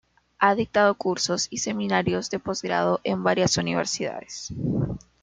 Ha dictado cursos y seminarios de posgrado en varias universidades.